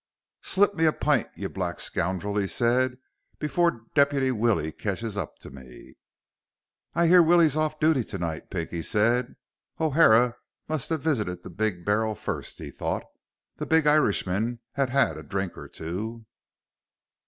"Slip me a pint, ye black scoundrel," he said, "before Deputy Willie catches up to me." "I hear Willie's off duty tonight," Pinky said. O'Hara must have visited the Big Barrel first, he thought. The big Irishman had had a drink or two.